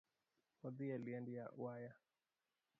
Wadhii e liend waya